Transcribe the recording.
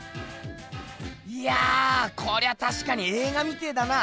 いやこりゃたしかにえい画みてぇだな。